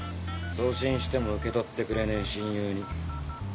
送信しても受け取ってくれねえ親友に。